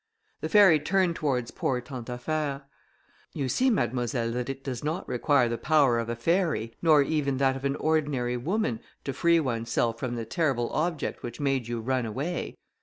The fairy turned towards poor Tantaffaire: "You see, Mademoiselle, that it does not require the power of a fairy, nor even that of an ordinary woman, to free oneself from the terrible object which made you run away.